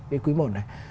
cái quý một này